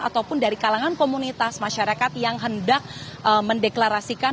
ataupun dari kalangan komunitas masyarakat yang hendak mendeklarasikan